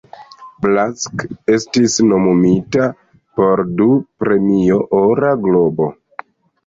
Black estis nomumita por du Premio Ora Globo.